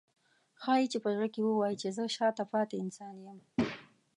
ښایي په زړه کې ووایي چې زه شاته پاتې انسان یم.